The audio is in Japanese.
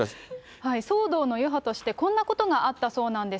騒動の余波として、こんなことがあったそうなんです。